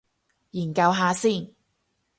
研究下先